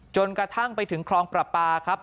จนกระทั่งไปถึงคลองประปาครับ